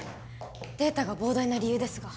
データが膨大な理由ですが